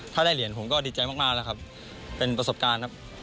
ถ้าได้เหรียญผมก็ดีใจมากแล้วครับเป็นประสบการณ์ครับ